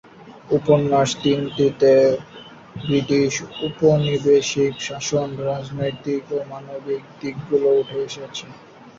উপন্যাস তিনটিতে ব্রিটিশ উপনিবেশিক শাসনের রাজনৈতিক ও মানবিক দিকগুলো উঠে এসেছে।